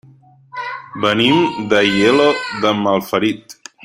Venim d'Aielo de Malferit.